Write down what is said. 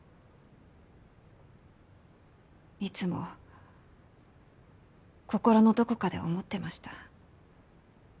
いつも心のどこかで思ってました。